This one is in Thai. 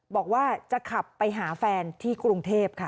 บอกว่าจะขับไปหาแฟนที่กรุงเทพค่ะ